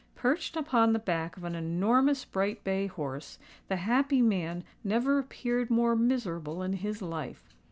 Perched upon the back of an enormous bright bay horse, the "happy man" never appeared more miserable in his life.